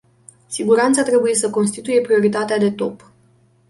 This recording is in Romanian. Siguranța trebuie să constituie prioritatea de top.